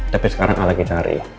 tapi sekarang al lagi cari